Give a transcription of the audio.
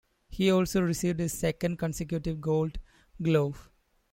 He also received his second consecutive Gold Glove.